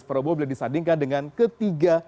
prabowo bila disandingkan dengan ketiga